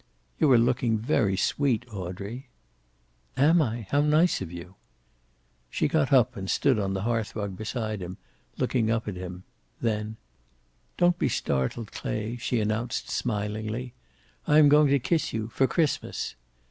"You are looking very sweet, Audrey." "Am I? How nice of you!" She got up and stood on the hearth rug beside him, looking up at him. Then, "Don't be startled, Clay," she announced, smilingly. "I am going to kiss you for Christmas."